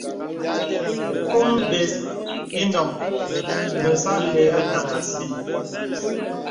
Kôm bə̀s inôŋ məsà àlə̀ anàŋha àsī.